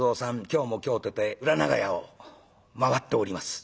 今日も今日とて裏長屋を回っております。